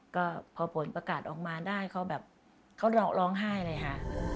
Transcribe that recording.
ก็พอผลประกาศออกมาได้เขาแบบเขาร้องไห้เลยค่ะ